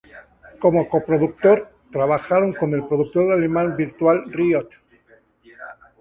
Como coproductor, trabajaron con el productor alemán Virtual Riot.